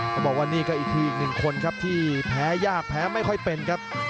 ต้องบอกว่านี่ก็อีกทีอีกหนึ่งคนครับที่แพ้ยากแพ้ไม่ค่อยเป็นครับ